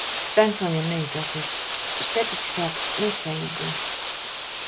Censoņiem neizdosies. Uz tepiķa sauks nespējīgos.